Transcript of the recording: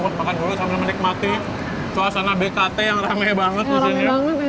buat makan dulu sambil menikmati suasana bkt yang rame banget di sini